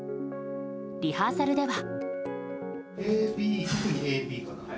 リハーサルでは。